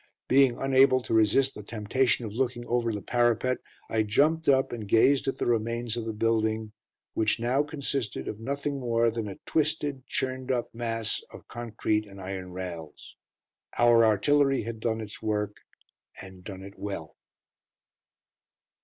Being unable to resist the temptation of looking over the parapet, I jumped up and gazed at the remains of the building which now consisted of nothing more than a twisted, churned up mass of concrete and iron rails. Our artillery had done its work, and done it well.